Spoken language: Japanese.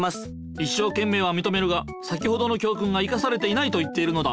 いっしょうけんめいはみとめるが先ほどの教訓が生かされていないと言っているのだ。